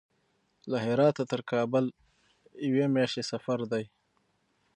له هراته تر کابل یوې میاشتې سفر دی.